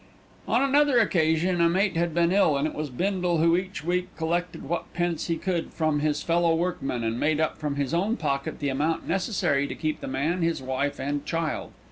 On another occasion a mate had been ill, and it was Bindle who each week collected what pence he could from his fellow workmen and made up from his own pocket the amount necessary to keep the man, his wife, and child.